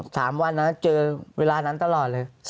สามวันนะเจอเวลานั้นตลอดเลย